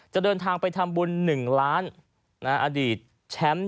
เดินทางไปทำบุญ๑ล้านอดีตแชมป์